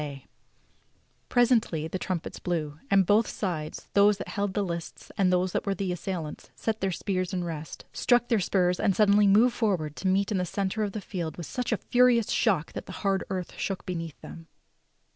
THE STORY OF KING ARTHUR 8 () Presently the trumpets blew, and both sides, those that held the lists and those that were the assailants, set their spears in rest, struck their spurs, and suddenly moved forward to meet in the centre of the field with such a furious shock that the hard earth shook beneath them.